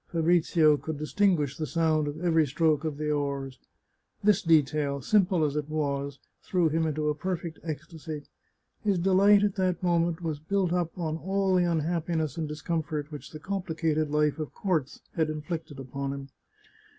Fabrizio could distinguish the sound of every stroke of the oars. This detail, simple as it was, threw him into a perfect ecstasy ; his delight at that moment was built up on all the unhappiness and discomfort which the complicated life of courts had inflicted upon him.